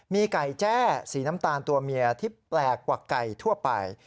มีไก่แจ้สีน้ำตาลตัวเมียที่แปลกกว่าไก่ทั่วไป